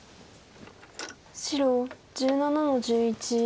白１７の十一。